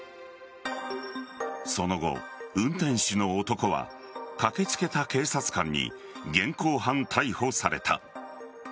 その後、運転手の男は駆け付けた警察官に現行犯逮捕された。